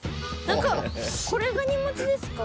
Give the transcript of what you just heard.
何かこれが荷物ですか？